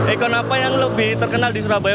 ikon apa yang lebih terkenal di surabaya